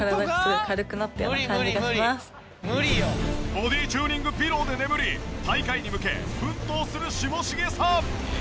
ボディチューニングピローで眠り大会に向け奮闘する下重さん。